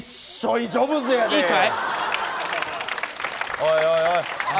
おいおい。